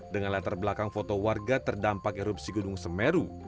dengan latar belakang foto warga terdampak erupsi gunung semeru